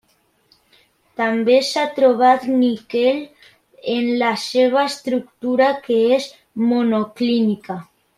També s'ha trobat níquel en la seva estructura que és monoclínica.